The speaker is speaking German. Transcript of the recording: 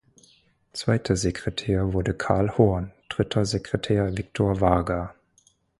Zweiter Sekretär wurde Karl Horn, Dritter Sekretär Viktor Varga.